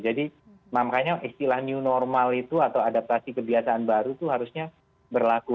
jadi makanya istilah new normal itu atau adaptasi kebiasaan baru itu harusnya berlaku